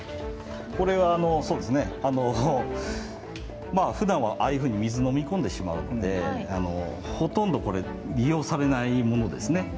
これはそうですねふだんはああいうふうに水のみ込んでしまうのでほとんどこれ利用されないものですね。